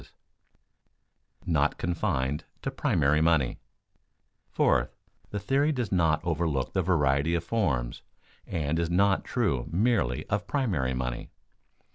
[Sidenote: Not confined to primary money] Fourth, the theory does not overlook the variety of forms, and is not true merely of primary money.